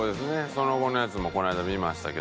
その後のやつもこの間見ましたけども。